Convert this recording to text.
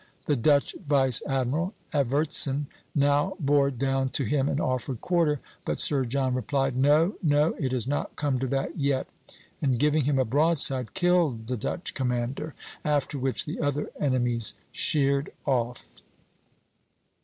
The Dutch vice admiral, Evertzen, now bore down to him and offered quarter; but Sir John replied, 'No, no, it is not come to that yet,' and giving him a broadside, killed the Dutch commander; after which the other enemies sheered off."